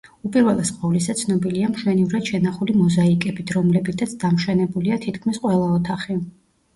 უპირველეს ყოვლისა, ცნობილია მშვენივრად შენახული მოზაიკებით, რომლებითაც დამშვენებულია თითქმის ყველა ოთახი.